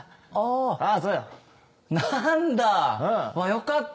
よかった。